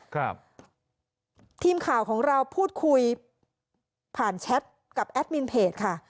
ครับทีมข่าวของเราพูดคุยผ่านแชทกับแอดมินเพจค่ะ